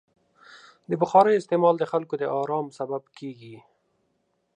د بخارۍ استعمال د خلکو د ارام سبب کېږي.